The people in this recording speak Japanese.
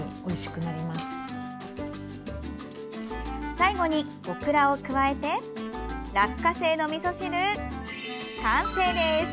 最後に、オクラを加えて「落花生のみそ汁」完成です。